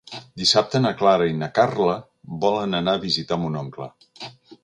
Dissabte na Clara i na Carla volen anar a visitar mon oncle.